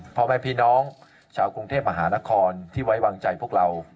พ่อแม่พี่น้องชาวกรุงเทพมหานครที่ไว้วางใจพวกเรา